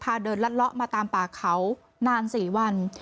เดินลัดเลาะมาตามป่าเขานาน๔วัน